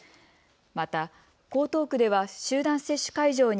また江東区では集団接種会場